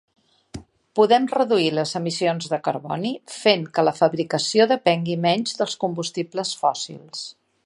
Podem reduir les emissions de carboni fent que la fabricació depengui menys dels combustibles fòssils.